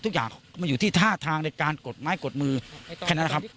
ทุกอย่างมันอยู่ที่ท่าทางในการกดไม้กดมือแค่นั้นนะครับ